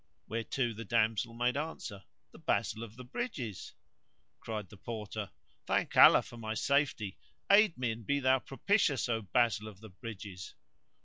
Whereto the damsel made answer, "The basil of the bridges."[FN#159] Cried the Porter, "Thank Allah for my safety: aid me and be thou propitious, O basil of the bridges!"